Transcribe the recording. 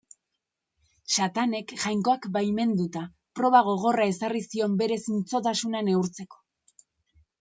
Satanek, Jainkoak baimenduta, proba gogorra ezarri zion bere zintzotasuna neurtzeko.